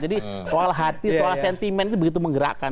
jadi soal hati soal sentimen itu begitu menggerakkan